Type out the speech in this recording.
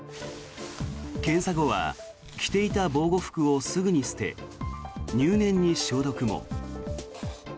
検査後は着ていた防護服をすぐに捨て入念に消毒も。